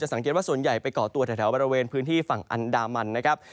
สังเกตว่าส่วนใหญ่ไปก่อตัวแถวบริเวณพื้นที่ฝั่งอันดามันนะครับ